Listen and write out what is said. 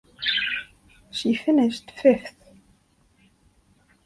She finished fifth.